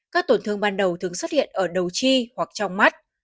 các tổn thương ban đầu thường xuất hiện ở đầu chi hoặc trong mắt